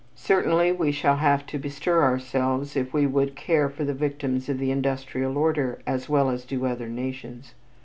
Certainly we shall have to bestir ourselves if we would care for the victims of the industrial order as well as do other nations.